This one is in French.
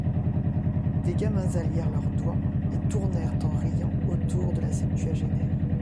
Des gamins allièrent leurs doigts et tournèrent en riant autour de la septuagénaire.